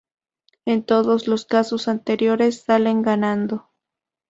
En todos los casos anteriores salen ganando.